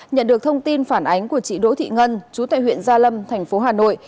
nhận được thông tin phản ánh của chị đỗ thị ngân chú tại huyện gia lâm thành phố hà nội